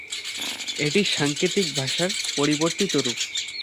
এটি সাংকেতিক ভাষার পরিবর্তিত রূপ।